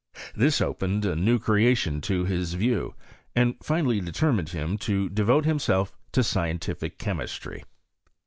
This opened a new creation to his view, and finally determined him to devote himself to scientific chemistry.